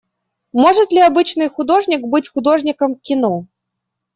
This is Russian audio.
Может ли обычный художник быть художником кино?